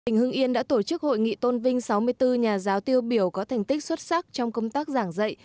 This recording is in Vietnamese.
tỉnh hưng yên đã tổ chức hội nghị tôn vinh sáu mươi bốn nhà giáo tiêu biểu có thành tích xuất sắc trong công tác giảng dạy